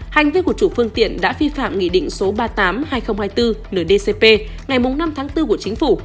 hành vi của chủ phương tiện đã vi phạm nghị định số ba mươi tám hai nghìn hai mươi bốn ndcp ngày năm tháng bốn của chính phủ